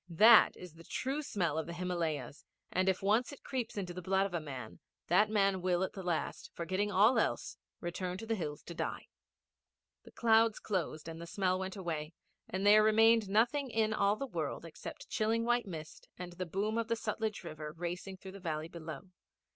That is the true smell of the Himalayas, and if once it creeps into the blood of a man, that man will at the last, forgetting all else, return to the hills to die. The clouds closed and the smell went away and there remained nothing in all the world except chilling white mist and the boom of the Sutlej river racing through the valley below.